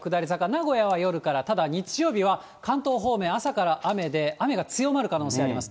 名古屋は夜から、ただ、日曜日は関東方面、朝から雨で、雨が強まる可能性あります。